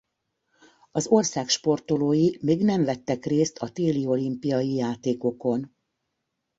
Az ország sportolói még nem vettek részt a téli olimpiai játékokon.